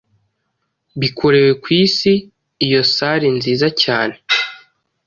Bikorewe kwisi iyo salle nziza cyane